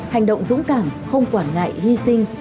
hành động dũng cảm không quản ngại hy sinh